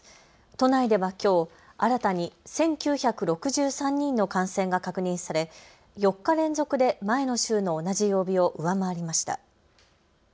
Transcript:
都内ではきょう新たに１９６３人の感染が確認され４日連続で前の週の同じ曜日を上回りました。